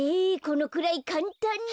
このくらいかんたんに。